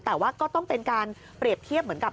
แต่ว่าก็ต้องเป็นการเปรียบเทียบเหมือนกับ